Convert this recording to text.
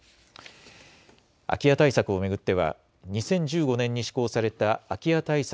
空き家対策を巡っては２０１５年に施行された空き家対策